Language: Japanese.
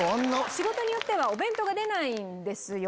仕事によってはお弁当が出ないんですよ。